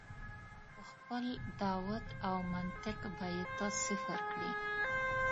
په خپل دعوت او منطق به یې ته صفر کړې.